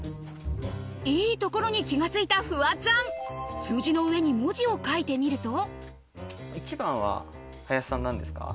いいところに気が付いたフワちゃん数字の上に文字を書いてみると１番は林さん何ですか？